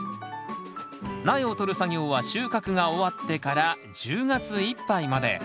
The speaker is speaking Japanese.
苗を取る作業は収穫が終わってから１０月いっぱいまで。